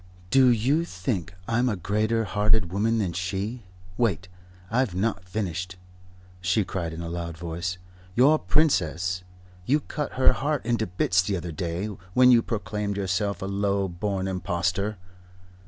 "Do you think I'm a greater hearted woman than she? Wait, I've not finished," she cried in a loud voice. "Your Princess you cut her heart into bits the other day, when you proclaimed yourself a low born impostor.